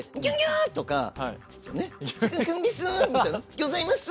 「ギョざいます！」